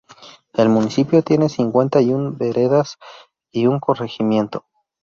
El municipio tiene cincuenta y una veredas y un corregimiento.